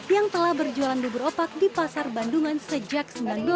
yang telah berjualan bubur opak di pasar bandungan sejak seribu sembilan ratus delapan puluh